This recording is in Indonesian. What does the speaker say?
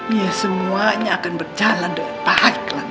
iya semuanya akan berjalan dengan baik lam ya